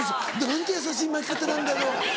「何て優しい巻き方なんだろう」。